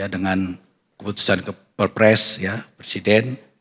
dengan keputusan keperpres presiden